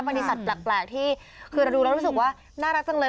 ปฏิสัตว์แปลกที่คือเราดูแล้วรู้สึกว่าน่ารักจังเลย